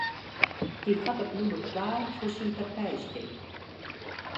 Hy hat op nûmer twa fan syn partij stimd.